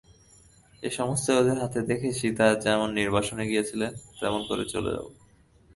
এ সমস্তই ওঁদের হাতে দিয়ে সীতা যেমন নির্বাসনে গিয়েছিলেন তেমনি করে চলে যাব!